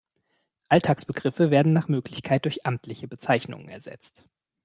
Alltagsbegriffe werden nach Möglichkeit durch amtliche Bezeichnungen ersetzt.